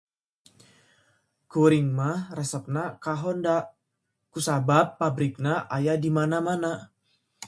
Kuring mah resepna ka honda kusabab pabrikna aya di mana mana.